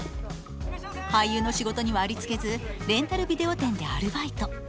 俳優の仕事にはありつけずレンタルビデオ店でアルバイト。